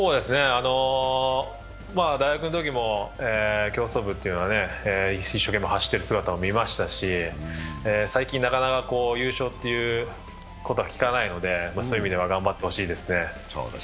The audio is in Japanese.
大学のときも競走部というのは一生懸命走ってるのを見ましたし最近なかなか優勝ということは聞かないので、そういう意味では頑張ってほしいですね。